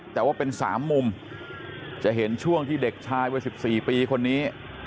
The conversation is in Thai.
แต่ว่าเป็น๓มุมจะเห็นช่วงที่เด็กชายวัย๑๔ปีคนนี้